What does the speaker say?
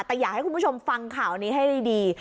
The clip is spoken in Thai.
แต่อยากให้คุณผู้ชมฟังข่าวนี้ให้ดี